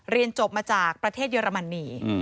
เรียนจบมาจากประเทศเยอรมนี